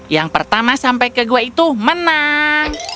yang pertama sampai ke gua itu menang